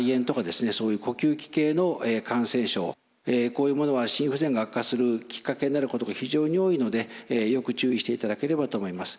こういうものは心不全が悪化するきっかけになることが非常に多いのでよく注意していただければと思います。